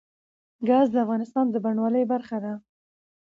ګاز د افغانستان د بڼوالۍ برخه ده.